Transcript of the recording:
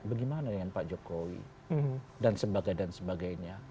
bagaimana dengan pak jokowi dan sebagainya